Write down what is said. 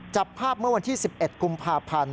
จับภาพเมื่อวันที่๑๑กุมภาพันธ์